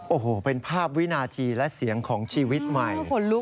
โอ้โหเป็นภาพวินาทีและเสียงของชีวิตใหม่